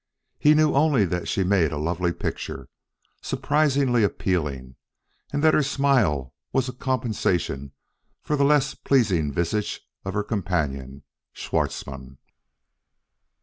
He knew only that she made a lovely picture, surprisingly appealing, and that her smile was a compensation for the less pleasing visage of her companion, Schwartzmann.